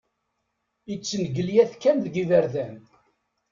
Ittengelyat kan deg iberdan.